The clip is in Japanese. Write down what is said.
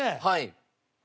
はい。